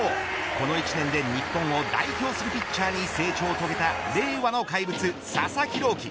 この１年で日本を代表するピッチャーに成長を遂げた令和の怪物、佐々木朗希。